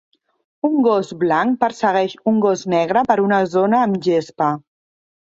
Un gos blanc persegueix un gos negre per una zona amb gespa.